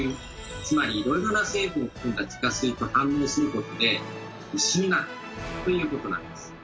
つまりいろいろな成分を含んだ地下水と反応することで石になるということなんです。